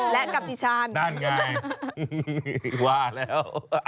และกับดิฉันนั่นไงว่าแล้ว